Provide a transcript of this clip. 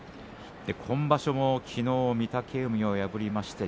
今場所もきのう御嶽海を破りました。